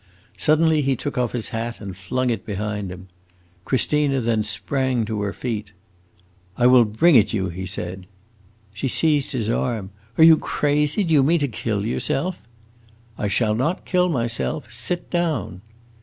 Suddenly he took off his hat and flung it behind him. Christina then sprang to her feet. "I will bring it you," he said. She seized his arm. "Are you crazy? Do you mean to kill yourself?" "I shall not kill myself. Sit down!"